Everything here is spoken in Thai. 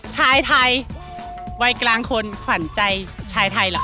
ชายไทยวัยกลางคนฝันใจชายไทยเหรอค